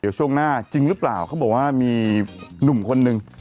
เดี๋ยวช่วงหน้าจริงหรือเปล่าเขาบอกว่ามีหนุ่มคนนึง